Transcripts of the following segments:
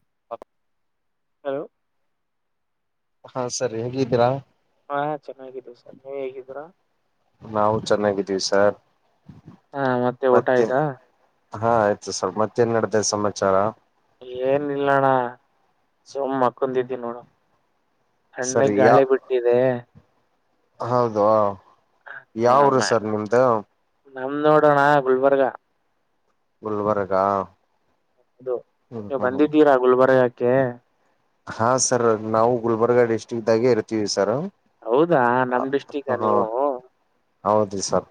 [unintelligible] ಹ [unintelligible] ಹಾ ಸರಿ ಹೇಗಿದ್ದೀರಾ ಹಾ ಚೆನ್ನಾಗಿದೀವಿ ಸರ್ ನೀವ್ ಹೇಗಿದೀರಾ ನಾವು ಚೆನ್ನಾಗಿದ್ದೀವಿ ಸರ್ ಹಾ ಮತ್ತೆ ಊಟ ಆಯ್ತಾ ಹಾ ಆಯ್ತು ಸರ್ ಮತ್ತೇನ್ ನಡತ ಸಮಾಚಾರ ಏನ ಇಲ್ಲಣ್ಣ ಸುಮ್ಮ್ ಅಕ್ಕಂದಿದ್ದಿ ನೋಡು ಸಣ್ಣಗ್ ಗಾಳಿ ಬಿಟ್ಟಿದೆ ಹೌದ ಯಾವರು ಸರ್ ನಿಮ್ದ ನಮ ನೋಡೋಣ ಗುಲ್ಬರ್ಗ ಗಲ್ಬಾರ್ಗ ಅದು ನೀವು ಬಂದಿದ್ದೀರಾ ಗುಲ್ಬರ ಯಾಕೆ ಹಾ ಸರ್ ನಾವು ಗುಲ್ಬರ್ಗ ಡಿಸ್ಟ್ರಿಕ್ದಾಗೆ ಇರ್ತೀವಿ ಸಾರು ಹೌದಾ ನಮ್ ಡಿಸ್ಟಿಕ ನೀವು ಹೌದು ಸರ್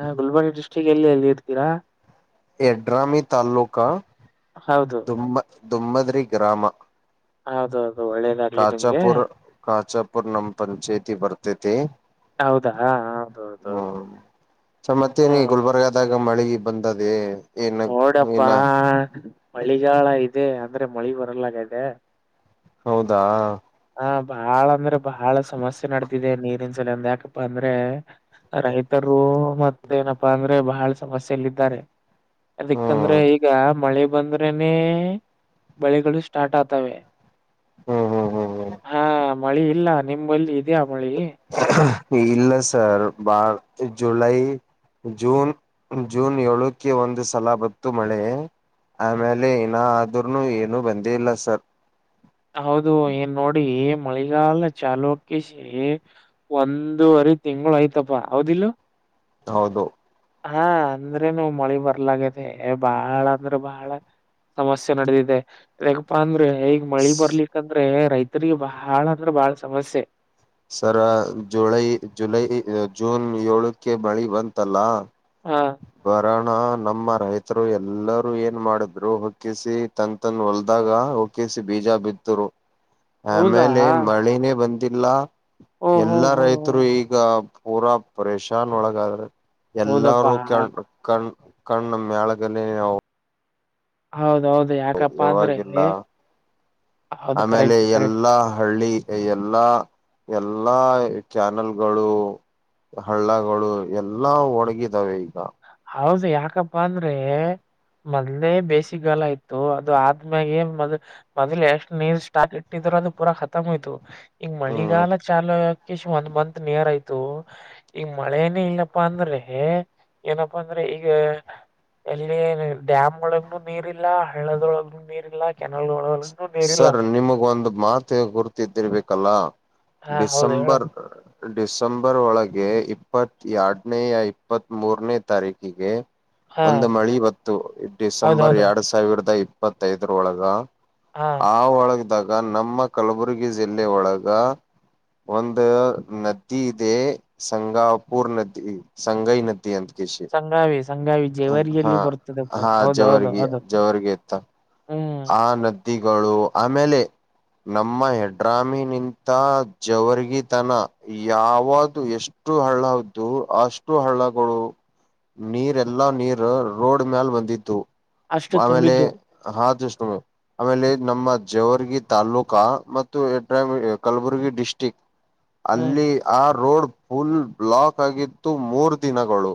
ಹಾ ಗುಲ್ಬರ್ಗಿ ಡಿಸ್ಟ್ರಿಕ್ ಎಲ್ಲಿ ಎಲ್ಲಿ ಇರ್ತೀರಾ ಎಡ್ರಾಮಿ ತಲ್ಲೂಕ ಹೌದು ದುಮ್ಮ ದುಮ್ಮದ್ರಿ ಗ್ರಾಮ ಹೌದೌದು ಒಳ್ಳೇದಾಗ್ಲಿ ನಿಮ್ಗೆ ಕಾಚಾಪುರ್ ಕಾಚಾಪುರ್ ನಮ್ಮ ಪಂಚೆತಿ ವರ್ತತೆ ಹೌದಾ ಹ್ಮ ಹೌದೌದೌದು ಸ ಮತ್ತೆನ ಹ್ಮ್ ಗುಲ್ಬರ್ಗದಾಗ [inaudible] ಈಗ ಮಳೆಗೆ ಬಂದದೆ ಏನ ನೋಡಪ್ಪಾ ಏನ ಮಳಿಗಾಲ ಇದೆ ಅಂದ್ರೆ ಮಳಿ ಬರಲಗದೆ ಹೌದಾ ಹ ಬಾಳ ಅಂದ್ರೆ ಬಾಳ ಸಮಸ್ಯೆ ನಡತಿದೆ ನೀರಿನ್ ಸಲ ಅಿಂದ ಯಾಕಪ್ಪ ಅಂದ್ರೆ [unintelligible] ರೈತರು ಮತ್ತೇನಪ್ಪಾ ಅಂದ್ರೆ ಬಹಳ ಸಮಸ್ಯೆಲ್ಲ ಇದಾರೆ ಅದಕ್ಕಂದ್ರೆ ಹ್ಮ್ ಈಗ ಮಳೆ ಬಂದ್ರನೇ ಬಳೆಗಳು ಸ್ಟಾರ್ಟ್ ಆತವೆ ಹ್ಮ್ ಹ್ಮ್ ಹ್ಮ್ ಹಾ ಮಳಿ ಇಲ್ಲ ನಿಮ್ಮಲ್ಲಿ ಇದ್ಯಾ ಮಳಿ ಹ್ಮ್ ಇಲ್ಲ ಸರ್ ಬಾಳ್ ಜುಲೈ ಜೂನ್ ಜೂನ್ ಏಳಕ್ಕೆ ಒಂದು ಸಲ ಬತ್ತು ಮಳೆ ಆಮೇಲೆ ಇನ ಏನಾದ್ರೂ ಏನು ಬಂದೇ ಇಲ್ಲ ಸರ್ ಹೌದು ಏನ್ ನೋಡಿ ಮಳೆಗಾಲ ಚಾಲುಕ ಸೇರಿ ಒಂದವರೆ ಒಂದು ತಿಂಗಳು ಆಯ್ತಪ್ಪಾ ಅವೌದಿಲ್ಲ ಹೌದು ಹಾ ಅಂದ್ರೆನು ಮಳಿ ಬರ್ಲಾಗತೆ ಬಾಳ ಅಂದ್ರೆ ಬಾಳ ಸಮಸ್ಯೆ ನಡೆದಿದೆ ಪ್ಪ ಅಂದ್ರೆ ಈಗ ಮಳಿ ಬರ್ಲಿಕ್ಕಂದ್ರೆ ರೈತರಿಗೆ ಬಾಳ ಅಂದ್ರೆ ಬಾಳ ಸಮಸ್ಯೆ ಸರ ಜುಲೈ ಜುಲೈ ಜೂನ್ ಏಳಕ್ಕೆ ಮಳಿ ಬಂತಲ್ಲ ಹ ಬರ ಹಾ ನಮ್ಮ ರೈತರು ಎಲ್ಲರೂ ಏನ್ ಮಾಡಿದ್ರು ಹೊಕ್ಕಿಸಿ ತನ್ ತನ್ ಹೊಲ್ದಾಗ ಹೋಕಿ ಬೀಜ ಬಿದ್ದರೂ ಹೌದಾ ಆಮೇಲೆ ಓಹೋ ಎಲ್ಲಾ ಹೋ ರೈತರು ಈಗ ಪೂರಾ ಪೇೇಶಾನ್ ಒಳಗಾದ್ರೆ ಹೌದಪ್ಪಾ ಎಲ್ಲರೂ ಕಣ ಕಣ ಕಣ್ಣ ಮಳಗದಲ್ಲಿ ನಾವು [unintelligible] ಹೌದು ಎಲ್ಲೂ ಹೋಗಿಲ್ಲ ಹೌದು ಆಮೇಲೆ ಕರೆಕ್ಟ್ ಕರೆಕ್ಟ್ ಎಲ್ಲಾ ಹಳ್ಳಿ ಎಲ್ಲಾ ಎಲ್ಲಾ ಚಾನೆಲ್ಗಳು ಹಳ್ಳಗಳು ಎಲ್ಲಾ ಒಣಗಿದಾವೆ ಈಗ ಹೌದು ಯಾಕಪ್ಪ ಅಂದ್ರೆ ಮೊದ್ಲೇ ಬೇಸಿಗೆಗಾಲ ಆಯ್ತು ಅದು ಆದ್ಮ್ಯಾಗ ಮೊದ ಮೊದ್ಲು ಎಷ್ಟ್ ನೀರ್ ಸ್ಟಾಕ್ ಇಟ್ಟಿದ ಪೂರಾಅಂದ್ರೆ ಪೂರ ಖತಮ್ ಆಯ್ತು ಈಗ ಹ್ಮ್ ಮಳಿಗಾಲ ಚಾಲು ಆಕ ಒಂದ್ ಮಂತ್ ನಿಯರ್ ಆಯ್ತು ಈಗ ಮಳೆನ ಇಲ್ಲಪ್ಪಾ ಅಂದ್ರೆ ಏನಪ್ಪಾ ಅಂದ್ರೆ ಈಗ ಎಲ್ಲಿ ಡ್ಯಾಮ್ ಒಳಗನು ನೀರ್ ಇಲ್ಲ ಹಳ್ಳದೊಳಗ್ನುೂ ನೀರ್ ಇಲ್ಲ ಕೆನಲ್ ಒಳಗ ಸರ್ ನಿಮಗ ಒಂದ್ ಮಾತು ಗುರ್ತಿದಿರ್ಬೇಕಲ್ಲ ಹಾ ಹೌದು ಹೇಳು ಡಿಸೆಂಬರ್ ಡಿಸೆಂಬರ್ ಒಳಗೆ ಇಪ್ಪತ್ತ ಎರಡನೇೆಯ ಇಪ್ಪತ್ತ್ಮೂರನೇ ತಾರೀಕಿಗೆ ಹಾ ಒಂದು ಮಳಿಬಂತ್ತು ಡಿಸೆಂಬರ್ ಹೌದೌದು ಎರಡ್ ಸಾವಿರದ ಇಪ್ಪತ್ತೈದರೊಳಗ ಹಾ ಆ ಒಳಗದಾಗ ನಮ್ಮ ಕಲಬುರ್ಗಿ ಜಿಲ್ಲೆ ಒಳಗ ಒಂದು ನದಿ ಇದೆ ಸಂಗಾಪುರ್ ನದಿ ಸಂಗೈ ನದಿ ನದಿ ಅಂತಕೇಸಿ ಸಂಗಾವಿ ಸಂಗಾವಿ ಹಾ ಜೇವರಿಯಲ್ಲಿ ಬರ್ತದಪ್ಪ ಹಾ ಹೌದು ಹೌದು ಜವರ್ಗಿ ಹೌದು ಜವರ್ಗಿ ಇತ ಹ್ಮ್ ನದಿಗಳು ಆಮೇಲೆ ನಮ್ಮ ಹೆಡ್ರಾಮಿನಿಂತ ಜವರ್ಗಿತನ ಯಾವದು ಎಷ್ಟು ಅಷ್ಟು ಹಳ್ಳ ಇದ್ದು ಅಷ್ಟು ಹಳ್ಳಗಳು ನೀರ್ ಎಲ್ಲಾ ನೀರ್ ರೋಡ್ ಮ್ಯಲ್ ಬಂದಿತ್ತು ಅಷ್ಟು ಆಮೇಲೆ ತುಂಬಿದ್ದು [inaudible] ತಗೋ ಆಮೇಲೆ ನಮ್ಮ ಜೇವರ್ಗಿ ತಾಲೂಕ ಮತ್ತುಯಡ್ರಾಮಿ ಕಲಬುರ್ಗಿ ಡಿಸ್ಟ್ರಿಕ್ ಹ್ಮ್ ಅಲ್ಲಿ ಆ ರೋಡ್ ಫುಲ್ ಬ್ಲಾಕ್ ಆಗಿತ್ತು ಮೂರ್ ದಿನಗಳು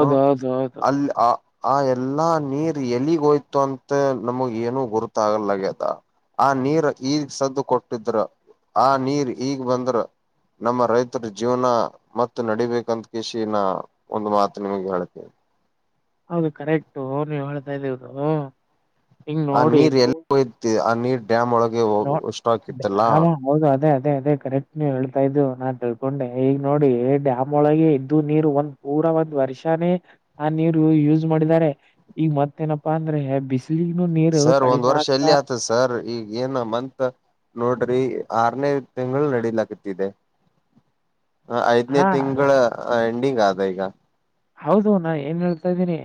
ಹ ಹೌದು ಹೌದು ಅಲ್ಲಿ ಹಾ ಆ ಎಲ್ಲಾ ನೀರ್ ಎಲ್ಲಿಗ್ ಹೋಯ್ತು ಅಂತ ನಮಗ ಏನು ಗುರುತ ಆಗಲಗ್ಯದ ಆ ನೀರ್ ಈಗ್ ಸದ್ದು ಕೊಟ್ಟಿದರು ಆ ನೀರ್ ಈಗ್ ಬಂದ್ರ ನಮ್ಮ ರೈತರ ಜೀವನ ಮತ್ತೆ ನಡಿಬೇಕಂತ ಕಷಿನ ಒಂದು ಮಾತ ತ ನಿಮಗ್ ಹೇಳ್ತಿನಿ ಹೌದು ಕರೆಕ್ಟು ನೀವು ಹೇಳ್ತಾ ಇದ್ದೀವುದು ಆ ನೀರ್ ಎಲ್ಲಿಹೊಯತಿ ಆ ನೀರ್ ಡ್ಯಾಮ್ ಒಳಗೆ ನೋ ಹೋಗ ಸ್ಟಾಕ್ ಇತ್ತಲ್ಲಾ ಡ್ಯಾಮ್ ಹೌದು ಅದೇ ಅದೇ ಅದೇ ಕರೆಕ್ಟ್ ನಿ ಹೇಳ್ತಾ ಇದು ನಾನ್ ತಿಳ್ಕೊಂಡೆ ಈಗ ನೋಡಿ ಡ್ಯಾಮ್ ಒಳಗೆ ಇದ್ದು ನೀರು ಒಂದೂ ವರ್ಷಾನೇ ಆ ನೀರು ಯೂಸ್ ಮಾಡಿದ್ದಾರೆ ಈಗ ಮತ್ತೇನಪ್ಪಾ ಅಂದ್ರೆ ಬಿಸಿ ಸರ್ ಒಂದ್ ವರ್ಷ ಎಲ್ಲಿ ಆಗ್ತದ ಸರ್ ಈಗ ಏನು ಮಂತ್ ನೋಡ್ರಿ ಆರನೇ ತಿಂಗಳು ನಡೀಲಕತಿದೆ ಹ ಐದನೇ ಹಾ ತಿಂಗಳ ಎಂಡಿಂಗ್ ಆದ ಈಗ ಹೌದು ನಾ ಏನ್ ಹೇಳ್ತಾ ಇದ್ದೀನಿ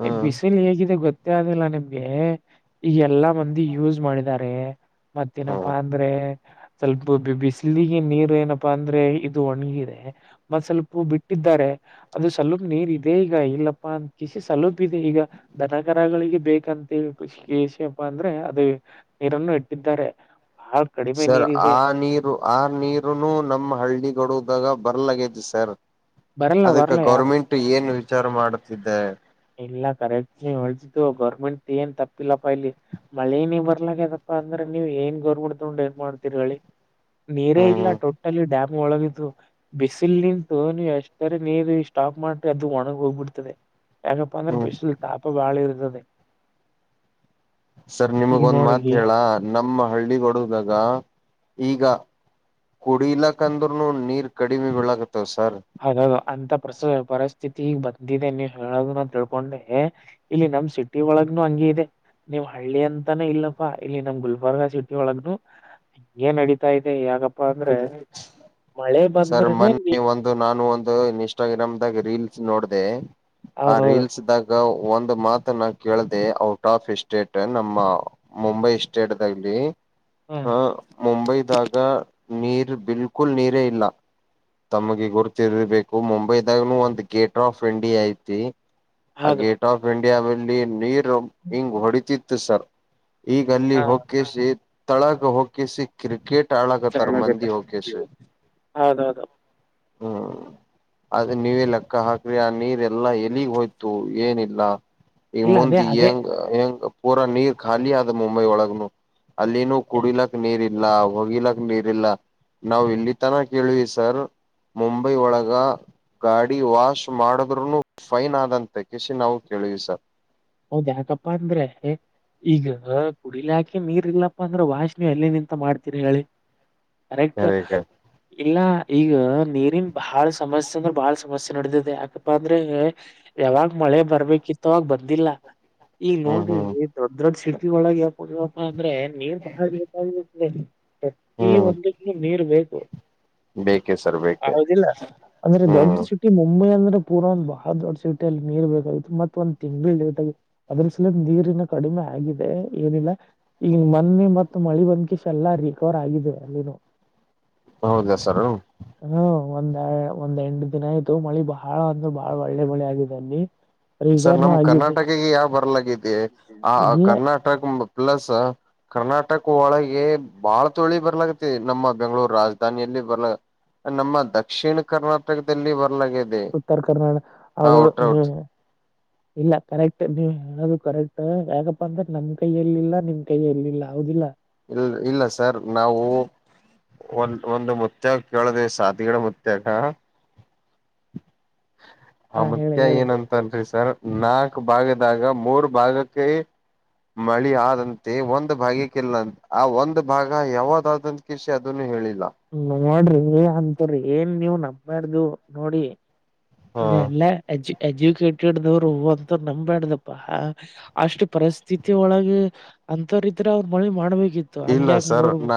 ಹ್ಮ್ ಬಿಸಿಲು ಹೇಗಿದೆ ಗೊತ್ತ ಗೊತ್ತೆ ಅಗಲ್ಲ ನಿಮ್ಗೆ ಈಗ ಎಲ್ಲಾ ಮಂದಿ ಯೂಸ್ ಮಾಡಿದ್ದಾರೆ ಹ್ಮ್ ಮತ್ತೇನಪ್ಪಾ ಅಂದ್ರೆ ಸ್ವಲ್ಪಬಿ ಬಿಸಿಲಿಗೆ ನೀರು ಏನಪ್ಪಾ ಅಂದ್ರೆ ಇದು ಒಣಗಿದೆ ಮತ್ತ ಸ್ವಲ್ಪ ಬಿಟ್ಟಿದ್ದ ಇದಾರೆ ಅದು ಸ್ವಲಪ ನೀರ್ ಇದೆ ಈಗ ಇಲ್ಲಪ್ಪಾ ಅಂತಕೇಷ ಸ್ವಲುಪ ಇದೆ ಈಗ ದನ ಕರಗಳಿಗೆ ಬೇಕಂತ ಹೇಳಿ ಖುಷಿ ಎಸ ಅಪಾ ಅಂದ್ರೆ ಅದು ನೀರನ್ನು ಇಟ್ಟಿದ್ದಾರೆ ಬಹಳ ಕಡಿಮೆ ಸರ್ ನೀರಿದೆ ಆ ನೀರು ಆ ನೀರುನು ನಮ್ಮ ಹಳ್ಳಿಗಳು ದಾಗ ಬರ್ಲಆಗೇತಿ ಸರ್ ಬರಲ್ಲ ಅದಕ್ಕೆ ಬರಲ್ಲ ಯಾ ಗೌರ್ಮೆಂಟ್ ಏನ್ ವಿಚಾರ ಮಾಡುತ್ತಿದ್ದೆ ಇಲ್ಲ ಕರೆಕ್ಟ್ ಹೊಿದ್ದು ಗೌರ್ಮೆಂಟ್ ಏನ್ ತಪ್ಪಿಲ್ಲಪ್ಪಾ ಇಲ್ಲಿ ಮಳೇನ ಬರ್ಲಾಗ್ಯದಪ್ಪಾ ಅಂದ್ರೆ ನೀವ್ ಏನ್ ಗೌರ್ಬಡ್ತೊಂಡು ಏನ್ ಮಾಡ್ತೀರಿ ಹೇಳಿ ನೀರೇ ಹ್ಮ್ ಇಲ್ಲ ಹ್ಮ್ ಟೋಟಲಿ ಡ್ಯಾಮ್ ಒಳಗಿದು ಬಿಸಿಲ್ ನಿಂತು ನೀವ್ ಎಷ್ಟರಿ ನೀರು ಇಷ್ಟ ಸಾಕ್ ಮಾಡ್ರೆ ಅದು ಒಣಗ ಹೋಗ್ಬಿಡ್ತದೆ ಯಾಕಪ್ಪ ಅಂದ್ರೆ ಹ್ಮ್ ಬಿಸಿಲ್ ತಾಪ ಬಾಳ ಇರ್ತದೆ ಸರ್ ಈಗ ನಿಮಗೊಂದ್ ನೋಡಿ ಮಾತ್ ಹೇಳ ನಮ್ಮ ಹಳ್ಳಿಗಡಗಾಗ ಈಗ ಕುಡಿಲಕ್ ಅಂದ್ರರುನು ನೀರ್ ಕಡಿಮೆ ಬೆಳಗತ್ತೆ ಹೌದದು ಅಂತ ಪರಿಸ್ಥಿತಿ ಈಗ್ ಇದಿದೆ ನೀವ್ ಹೇಳನ ಅಂತ ತಿಳ್ಕೊಂಡೆ ಇಲ್ಲಿ ನಮ್ ಸಿಟಿ ಒಳಗ್ನು ಹಂಗಿ ಇದೆ ನೀವ್ ಹಳ್ಳಿ ಅಂತಾನೇ ಇಲ್ಲಪ್ಪಾ ಇಲ್ಲಿ ನಮ್ ಗುಲ್ಬರ್ಗ ಸಿಟಿ ಒಳಗ್ನು ಹಏನ್ ನಡತಾ ಇದೆ ಯಾಗಪ್ಪಾ ಅಂದ್ರೆ ಮಳೆ ಬಂದ್ರನೆೇ ನೀ ಇನ್ಸ್ಟಾಗ್ರಾಮ್ ದಾಗ ರೀಲ್ಸ್ ನೋಡಿದೆ ಆ ಹೌದೌದು ರೀಲ್ಸ್ ದಾಗ ಒಂದು ಮಾತ ನ ಕೇಳ್ದ ಔಟ್ ಆಫ್ ಎ್ಟೇಟ್ ನಮ್ಮ ಮುಂಬೈ ಸ್ಟೇಟ್ಲ್ಲಿ ಹಾ ಹ ಮುಂಬೈದಾಗ ನೀರ್ ಬಿಲ್ಕುಲ್ ನೀರೇ ಇಲ್ಲ ತಮಗೆ ಗುರುತಿರ್ಬೇಕು ಮುಂಬೈದಾಗೂ ಒಂದ್ ಗೇಟ್ ವೇ ಆಫ್ ಇಂಡಿಯಾ ಐತಿ ಆ ಹೌದು ಗೇಟ್ ಆಫ್ ಇಂಡಿಯಾದಲ್ಲಿ ನೀರು ಹಿಂಗ್ ಹೊಡತಿತ್ತು ಸರ್ ಈಗ ಅಲ್ಲಿ ಹಾ ಹೋಗಿಸಿ ತಳಗ ಹಕಿಸಿ ಕ್ರಿಕೆಟ್ ಟಳಕ ತಾರ ಮಂದಿ ಕೆಸ ಹೌದೌದು ಹ್ಮ ಅದ ನೀವೇ ಲೆಕ್ಕ ಹಾಕ್ರಿ ಆ ನೀರೆಲ್ಲಾ ಎಲಿಗ್ ಹೋಯ್ತು ಏನಿಲ್ಲ ಈಗ ಇಲ್ಲ ಅದೇ ಮುಂದೆ ಅದೇ ಹೆಂಗ ಹೆಂಗ ಪೂರಾ ನೀರ್ ಖಾಲಿ ಆದ ಮುಂಬೈ ಒಳಗನು ಅಲ್ಲಿನುೂ ಕುಡಿಲಕ್ ನೀರ್ ಇಲ್ಲ ಹೋಗಿಲಕ್ ನೀರ್ ಇಲ್ಲ ನಾವ್ ಇಲ್ಲಿ ತನ ಕೇಳಿವ ಸರ್ ಮುಂಬೈ ಒಳಗ ಗಾಡಿ ವಾಶ್ ಮಾಡಿದ್ೂನು ಫೈನ್ ಆದಂತೆ ಕಿಸಿ ನಾವು ಕೇಳಿವವಿ ಸರ್ ಹೌದ್ ಯಾಕಪ್ಪಾ ಅಂದ್ರೆ ಈಗ ಕುಡಿಲಿಾಕೆ ನೀರ್ ಇಲ್ಲಪ್ಪಾ ಅಂದ್ರ ವಾಷ ನೀವು ಎಲ್ಲಿ ನಿಂತ ಮಾಡ್ತೀರಿ ಹೇಳಿ ಕರೆಕ್ಟ್ ಕರೆ ಕರೆ ಇಲ್ಲ ಈಗ ನೀರಿನ್ ಬಹಳ ಸಮಸ್ಯೆ ಅಂದ್ರೆ ಬಾಳ ಸಮಸ್ಯೆ ನಡದಿದೆ ಯಾಕಪ್ಪ ಅಂದ್ರೆ ಯಾವಾಗ್ ಮಾಡ ಮಳೆ ಬರ್ಬೇಕಿತ್ತು ಆಾಗ ಬಂದಿಲ್ಲ ಈಗ ಹ್ಮ್ ನೋಡಿ ಹ್ಮ್ ದೊಡ್ಡ ದೊಡ್ ಸಿಡ್ ಒಳಗೆ ಯಾವ ಕೊಡರಪ್ಪ ಅಂದ್ರೆ ನೀರ್ ಬಹಳ ಬೇಕಾಗಿರುತ್ತ ಪ್ರತಿ ಹ್ಮ್ ಮ ನೀರ್ ಬೇಗ ಬೇಕೆ ಸರ್ ಬೇಕೆ ಹೌದಿಲ್ಲ ಅಂದ್ರೆ ದೊಡ್ಡ ಹ್ಮ್ ಚುಟಿ ಮುಂಬೈ ಅಂದ್ರೆ ಪೂರ ಒಂದ ಬಹ ದೊಡ್ಡ ಸೀಟೆೆಯಲ್ಲಿ ನೀರ್ ಬೇಕಾಗಿತ್ತು ಮತ್ತ ಒಂದ ತಿಂಗಂಗಳಟಾಗಿ ಅದ್ರ ಸಲ ನೀರಿನ ಕಡಿಮೆ ಆಗಿದೆ ಏನಿಲ್ಲ ಈಗ ಮೊನ್ನೆ ಮತ್ ಮಳಿ ಬಂದ್ಕ ಶಲ ಎಲ್ಲ ರಿಕವರ್ ಆಗಿದೆ ಅಲ್ಲಿನ ಹೌದಾ ಸರ್ ಒಂದ್ ಒಂದ್ ಎಂಟ ದಿನ ಆಯ್ತು ಮಳಿ ಬಹಳ ಅಂದ್ರೆ ಬಹಳ ಒಳ್ಳೆ ಮಳಿ ಆಗಿದೆ ಅಲ್ಲಿ ರವಿವಾರ ನ ಆಯ ಅೋಗ ಯ ಬರ್ಲ ಆ ಕರ್ನಾಟಕ ಪ್ಲಸ್ ಕರ್ನಾಟಕ ಒಳಗೆ ಬಾಳ್ ತೊಳಿ ಬರ್ಲಾಗತ್ತೆ ನಮ್ಮ ಬೆಂಗ್ಗಳೂರ್ ರಾಜಧಾನಿಯಲ್ಲಿ ಬರ್ಲ ನಮ್ಮ ದಕ್ಷಿಣ ಕರ್ನಾಟಕದಲ್ಲಿ ಬ ಉತ್ತರ ಕರ್ನಾಡ ಅದು ಔಟ್ ಔಟ್ ಇಲ್ಲ ಕರೆಕ್ಟ್ ನೀವ್ ಯಾು ಕರೆಕ್ಟ್ ಯಾಕಪ್ಪ ಅಂದ್ರೆ ನಮ್ ಕೈಯಲ್ಲಿಲ್ಲ ನಿಮ್ ಕೈಯ ಎಲ್ಲಿಲ್ಲ ಹೌದಿಲ್ಲ ಇಲ್ ಇಲ್ಲ ಸರ್ ನಾವು ಒಂದು ಒಂದು ಮತ್ಯಾಗ ಕೇಳುದ ಸಾತ್ಗಿಡ ಮತ್ಯಾಗ ಆ ಹಾ ಹೇಳಿ ಮತ್ಯ ಹೇಳಿ ಏನಂತಲ್ರಿ ಸರ್ ನಾಲ್ಕ್ ಭಾಗದಾಗ ಮೂರ್ ಭಾಗಕ್ಕೆೈ ಮಳಿ ಆದಂತೆ ಒಂದ್ ಭಾಗಕ್ಕೆ ಇಲ್ಲ ಆ ಒಂದ್ ಭಾಗ ಯಾವದಾದಂತ ಕಷ ಅದನ್ನು ಹೇಳಿಲ್ಲ ನೋಡ್ರಿ ಅಂತ್ರಿ ಏನ್ ನೀವು ನಬ್ ಮಾಡಾ್ದು ನೋಡಿ ಹಾ ಎಲ್ಲ ಅಜಜ ಎಜುಕೇಟೆಡ್ನವರು ಅಂತ ನಂಬಬ್ಯಾಡ್ದಪ್ಪ ಅಷ್ಟು ಪರಿಸ್ಥಿತಿ ಒಳಗೆ ಅಂತ್ರ ಇದ್ರ ಅವ್ರ್ ಮಳಿ ಮಾಡಬೇಕು ಇಲ್ಲ ಸರ್ ನ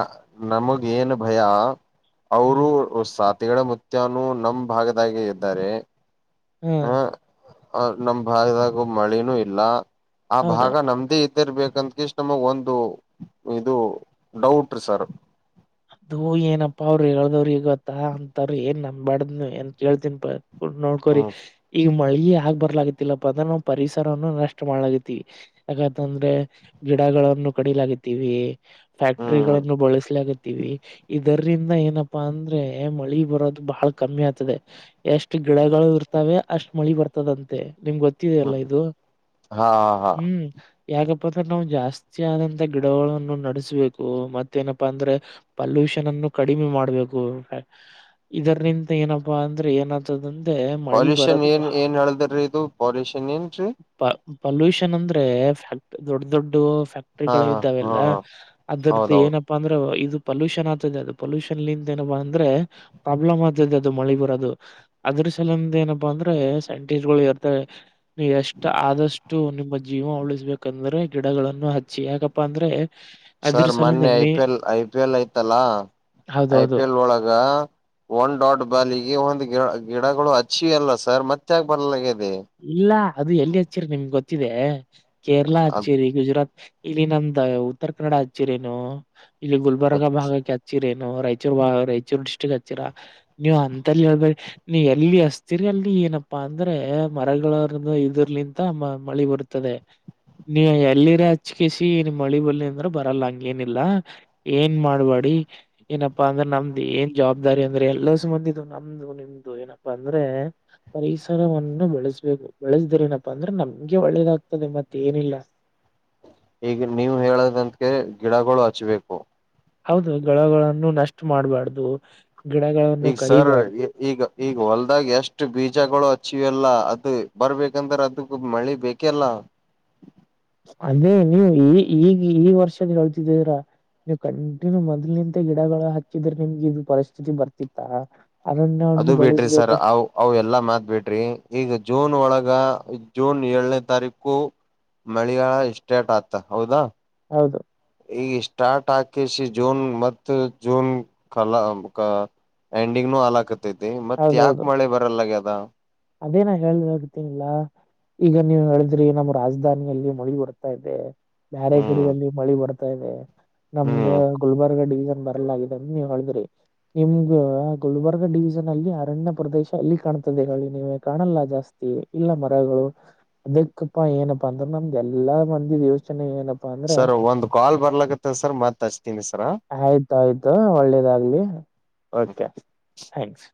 ನಮಗ ಏನ್ ಭಯ ಹ್ಮ್ ಅವರುೂ ಸಾತ್ ತಿೆಗಳಮತ್ಯಾನು ನಮ್ ಭಾಗದಾಗ ಇದ್ದಾರೆ ಹಾ ಆಹ ಆ ನಮ್ ಭಾಗದಾಗ ಮಳಿನೂ ಇಲ್ಲ ಆ ಹೌದು. ಭಾಗ ನಮ್ದೇ ಇತ್ತು ರ್ಬೇಕಂದಕ ಇಷ್ಟ್ ನಮಗ್ ಒಂದು ಇದು ಡೌಟ್ ರೀ ಸರ್ ಅದು ಏನಪ್ಪಾ ಅವ್ರು ಹೇಳ್ದವ್ರ ಈಗತ್ತ ಅಂತಾರ ಏನ್ ನಂಬಬ್ಯಾಡ್ದ್ನ ಏನ್ ಕೇಳ್ತನ್ಪ ನೋಡ್ಕೊರಿ ಹ್ಮ್ ಈಗ ಮಳ ಆಗ್ ಬರ್ಲಾಗತಿಲ್ಲಪ್ಪ ಅಂದ್ರ ನಾವು ಪರಿಸರವನ್ನು ನಷ್ಟ ಮಾಡ್ಲಾಗತಿವಿ ಯಾಕಂತಂದ್ರೆ ಗ ಗಳನ್ನು ಕಡಿಲಾಗವಿ ಹ್ಮ್ ಫ್ಯಾಕ್ಟ್ರಗಳನ್ನು ಬಳಸಲ ವಿ ಇದರಿರಂದ ಏನಪ್ಪಾ ಅಂದ್ರೆ ಮಳಿ ಬರೋದು ಬಹಳ ಕಮ್ಮಿ ಆಗ್ತದೆ ಎಷ್ಟು ಗಿಡಗಳು ಇರ್ತವೆ ಅಷ್ಟ್ ಮಳಿ ಬರ್ತದಂತೆ ನಿಮ್ಗೆ ಗೊತ್ತಿದೆಲ್ಲ ಹ್ಮ್ ಇದು ಹಾ ಹಾ ಹ್ಮ್ ಯಾಕ ಅಂದ್ರೆ ನಾವು ಜಾಸ್ತಿಯ ಆದಂತ ಗಿಡಗಳನ್ನು ನಡೆಸ್ಬೇಕು ಮತ್ತೇನಪ್ಪಾ ಅಂದ್ರೆ ಪಲ್ಯೂಷನ್ ಅನ್ನು ಕಡಿಮೆ ಮಾಡ್ಬೇಕು ಇದರಿ ನಿಂತ ಏನಪ್ಪಾ ಅಂದ್ರೆ ಏನತದಂದ್ರ ಪಲ್ಯೂಷನ್ ಏನ್ ಏನ್ ಹೇಳದ್ರೀ ಇದು ಪೊಲ್ಯೂಷನ್ ಏನ್ರೀ ಪಲ್ಯೂಷನ್ ಅಂದ್ರೆ ಫ್ಯಾಕ್ಟ್ ದೊಡ್ಡ ದೊಡ್ಡ ಹಾ ಫ್ಯಾಕ್ಟ್ರಿಗಳ ಹಾ ಹಾ ಇದ್ದಾವೆಲ್ಲ ಹಾ ಅದ್ರದ್ದ ಹೌದೌದು ಏನಪ್ಪಾ ಅಂದ್ರೆದು ಪೊಲ್ಯೂಷನ್ ಆಗ್ತದೆ ಅದು ಪೊಲ್ಯೂಷನ್ ಏನ ಅಂದ್ರೆ ಪ್ರಾಬ್ಲಮ್ ಆಗ್ತದೆ ಅದು ಮಳೆ ಬರೋದು ಅದ್ರ ಲಂದ ಏನಪ್ಪಾ ಅಂದ್ರೆ ಸೈಂಟಿಸ್ಟ್ ಗಳು ಇರ್ತಾರೆ ನೀ ಎಷ್ಟ ಆದಷ್ಟು ನಿಮ್ಮ ಜೀವನ ಉಳಿಸಬೇಕಂದ್ರೆ ಗಿಡಗಳನ್ನು ಹಚ್ಚಿ ಯಾಕಪ್ಪಾ ಅಂದ್ರೆ ಅದ್ರ ಸರ್ ಮನ್ ಸಲಿಂದ I May P L I P L L ಐತಲ್ಲ ಐ ಹೌದೌದು. ಪಿ ಎಲ್ ಒಳಗ ಒನ್ ಡಾಟ್ ಬಾಲಿಗೆ ಒ ಗಿ ಗಿಡಗಳು ಅಚ್ಚಿ ಅಲ್ಲ ಸರ್ ಮತ್ತೆ ಆಗ ಬರಲ ಇಲ್ಲ ಅದು ಎಲ್ಲಿ ಹಚ್ಚೇರಿ ನಿಮ್ಗೆ ಗೊತ್ತಿದೆ ಕೇರಳ ಹಚ್ಚಿರಿ ಗುಜರಾತ್ ಇಲ್ಲಿ ನಮ್ದ ಉತ್ತರ ಕನ್ನಡ ಹಚ್ಚಿರೇನು ಇಲ್ಲಿ ಗುಲ್ಬರ್ಗಾ ಭಾಗಕ್ಕೆ ಹಚ್ಚಿರೇನು ರಾಯಚೂರ್ ರಾಯಚೂರ್ ಡಿಸ್ಟ್ರಿಕ್ ಹಚ್ಚಿರ ನೀವು್ ಅಂತಲ್ಲಿ ಹೇಳ್ಬ ನೀ ಎಲ್ಲಿ ಹಸ್ತರ್ ಅಲ್ಲಿ ಏನಪ್ಪಾ ಅಂದ್ರೆ ಮರಗಳರ್ ಇದರ್ಲಿಂತ ಮ ಮಳೆ ಬರುತ್ತದೆ ನೀ ಎಲ್ಲಿರ ಹಚ್ಕಿಸಿ ಮಳಿ ಬಲ್ಲಿ ಅಂದ್ರ ಬರಲ್ಲ ಹಂಗೇನಿಲ್ಲ ಏನ್ ಮಾಡ್ಬೇಡಿ ಏನಪ್ಪಾ ಅಂದ್ರೆ ನಮ್ದು ಏನ್ ಜವಾಬ್ದಾರಿ ಅಂದ್ರೆ ಎಲ್ಲ ಸುಬಂದಿದು ನಮ್ದು ನಿಮ್ದು ಏನಪ್ಪಾ ಅಂದ್ರೆ ಪರಿಸರವನ್ನು ಬಿ ಬಳಸ್ಬೇಕು ಒಳಸ್ದಿರನಪ್ಪಾ ಅಂದ್ರೆ ನಮ್ಗೆ ಒಳ್ಳೇದಾಗ್ತದೆ ಮತ್ತ ಏನಿಲ್ಲ ಈಗ ನೀವು ಹೇಳದಂತಕ ಗಿಡಗಳು ಹಚ್ಬೇಕು ಹೌದು ಳಗಳನ್ನು ನಷ್ಟ ಮಾಡ್ಬಾರ್ದು ಗಿಡಗಳನ್ನು ಈಗ ಸರ್ ಕಡಿಬಾರ್ದು ಈ ಈಗ ಈಗ ಹೊಲ್ದಾಗ ಎಷ್ಟ್ ಅಷ್ಟು ಬೀಜಗಳು ಹಚ್ಚಿವಲ್ಲ ಅದು ಬರ್ಬೇಕಂದ್ರೆ ಅದಕ್ಕ ಮಳಿ ಬೇಕೆಲ್ಲ [inaudible] ಅದೇ ನೀವು ಈ ಈಗ ಈ ವರ್ಷದ ಹೇಳ್ತಿದ್ದಿದರ ನೀವು ಕಂಟಿನ್ಯೂ ಮೊದ್ಲ್ ನಿಂತ ಗಿಡಗಳ ಹಾಚ್ಚಿದ್ರೆ ನಿಮ್ಗೆ ಇದು ಪರಿಸ್ಥಿತಿ ಬರ್ತಿತ್ತಾ ಅರಣ್ಯವನ್ನು ಅದು ಬಿಟ್ರಿ ಸರ್ ಬಳಸ್ಬೇಕಂತ ಅವ ಅವ ಎಲ್ಲಾ ಮಾತ್ ಬಿಟ್ರಿ ಈಗ ಜೂನ್ ಒಳಗ ಜೂನ್ ಏಳನೇ ತಾರೀಕು ಮಳಿಗಾಲ ಎಷ್ಟೇಟ ಆತ ಹೌದಾ ಹೌದು ಈ ಸ್ಟಾರ್ಟ್ ಆಾಕಿಸಿ ಜೂನ್ ಮತ್ತ ಜೂನ್ ಕಲ ಎಂಡಿಂಗ್ನುೂ ಹಲಾಕತೈತಿ ಮತ್ ಯಾಕ ಹೌದೌದು ಮಳೆ ಬರಲ್ಲಗ್ಯ ಅದ ಅದೇನ ಹೇಳ್ದ ಹೋಗತೀನಿಲ್ಲ ಈಗ ನೀವು ಹೇಳಿದ್ರಿ ನಮ್ಮ್ ರಾಜಧಾನಿಯಲ್ಲಿ ಮಳಿ ಬರ್ತಾ ಇದೆ ಬೇರೆ ಹ್ಮ್ ಕಡೆಯಲ್ಲಿ ಮಳಿ ಬರ್ತಾ ಸದ [inaudible] ನಮ್ದ ಹ್ಮ್ ಗುಲ್ಬರ್ಗ ಡಿವಿಜನ್ ಬರಲ್ಲಾಗಿದೆ ಅಂತ ನೀವ್ ಹೇಳಿದ್ರಿ ನಿಮ್ಗ ಗುಲ್ಬರ್ಗ ಡಿವಿಜನ್ ಲ್ಲಿ ಅರಣ್ಯ ಪ್ರದೇಶ ಅಲ್ಲಿ ಕಾಣ್ತದೆ ಹೇಳ ನೀ ಕಾಣಲ್ಲ ಜಾಸ್ತಿ ಇಲ್ಲ ಮರಗಳು ಅದಕ್ಕಪ್ಪಾ ಏನಪ್ಪಾ ಅಂದ್ರೆ ನಮ್ದ ಎಲ್ಲಾ ಮಂದಿ ಯೋಚನೆ ಏನ ಪ್ಪ ಅಂದ್ರೆ ಸರ್ ಒಂದ್ ಕಾಲ್ ಬರ್ಲಕತ್ತ ಸರ್ ಮತ್ ಹಚ್ತೀನಿ ಸರ ಆಯ್ತು ಆಯ್ತು ಒಳ್ಳೇದಾಗ್ಲಿ ಓಕೆ ಥ್ಯಾಂಕ್ಸ್